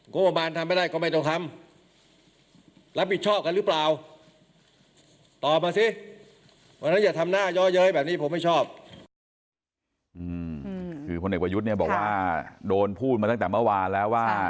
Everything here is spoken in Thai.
กรุงประมาณทำไม่ได้ก็ไม่ต้องทำรับผิดชอบกันหรือเปล่า